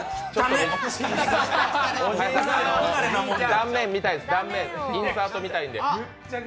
断面みたいです、インサート見たいんで。